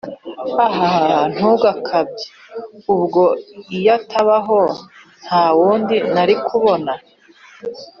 ahhh ntugakabye ubwo yatabaho ntawundi narikubona?